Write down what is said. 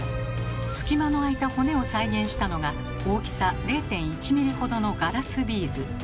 隙間のあいた骨を再現したのが大きさ０．１ｍｍほどのガラスビーズ。